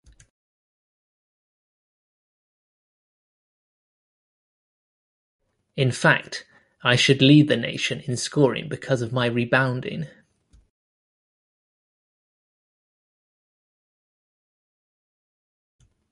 In fact, I should lead the nation in scoring because of my rebounding.